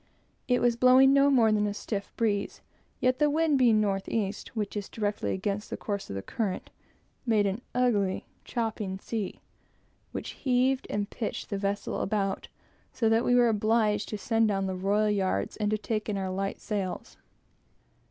It was blowing no more than a stiff breeze; yet the wind, being north east, which is directly against the course of the current, made an ugly, chopping sea, which heaved and pitched the vessel about, so that we were obliged to send down the royal yards, and to take in our light sails.